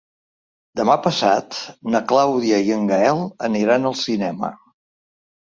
Demà passat na Clàudia i en Gaël aniran al cinema.